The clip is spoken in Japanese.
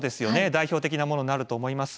代表的なものになると思います。